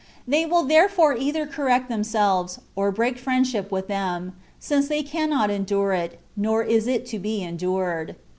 They will therefore either correct themselves, or break friendship with them, since they cannot endure it, nor is it to be endured.